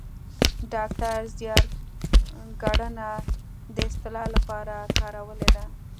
ډاکتر زیار ګړنه د اصطلاح لپاره کارولې ده